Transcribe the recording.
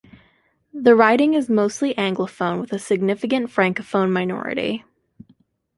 The riding is mostly anglophone with a significant francophone minority.